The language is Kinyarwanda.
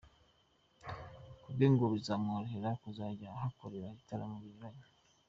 Kubwe ngo bizamworohera kuzajya ahakorera ibitaramo binyuranye.